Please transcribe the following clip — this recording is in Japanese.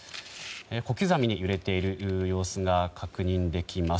小刻みに揺れている様子が確認できます。